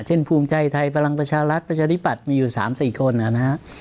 เช่นภูมิใจไทยพลังประชารัฐประชาริปัติมีอยู่สามสี่คนนะฮะ